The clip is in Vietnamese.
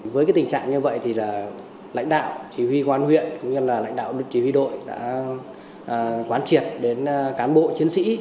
với cái tình trạng như vậy thì là lãnh đạo chỉ huy quán huyện cũng như là lãnh đạo chỉ huy đội đã quán triệt đến cán bộ chiến sĩ